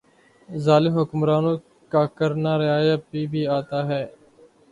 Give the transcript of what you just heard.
ظالم حکمرانوں کا کرنا رعایا پہ بھی آتا ھے